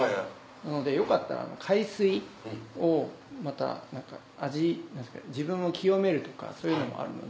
なのでよかったら海水をまた味自分を清めるとかそういうのもあるので。